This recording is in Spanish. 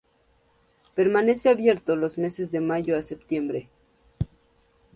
Permanece abierto los meses de mayo a septiembre.